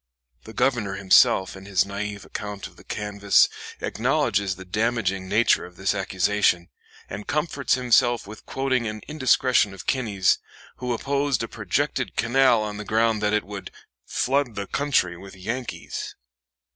The Governor himself, in his naive account of the canvass, acknowledges the damaging nature of this accusation, and comforts himself with quoting an indiscretion of Kinney's, who opposed a projected canal on the ground that "it would flood the country with Yankees."